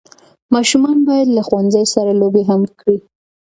ماشومان باید له ښوونځي سره لوبي هم وکړي.